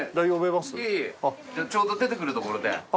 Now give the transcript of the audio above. いえいえちょうど出て来るところで。